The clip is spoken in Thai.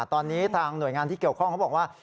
ตอนนี้ทางหน่วยงานที่เกี่ยวข้องเขาบอกว่า